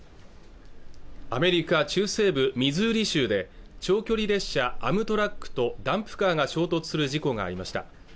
アメリカ中西部ミズーリ州で長距離列車アムトラックとダンプカーが衝突する事故がありました